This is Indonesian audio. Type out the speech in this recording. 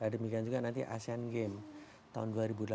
demikian juga nanti asean games tahun dua ribu delapan belas